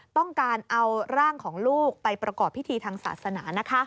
ต้องการเอาร่างของลูกไปประกอบพิธีทางศาสนา